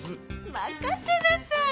任せなさい！